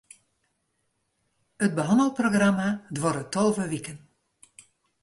It behannelprogramma duorret tolve wiken.